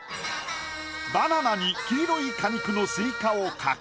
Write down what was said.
バナナに黄色い果肉のスイカを描く。